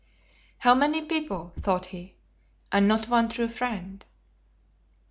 "How many people," thought he, "and not one true friend."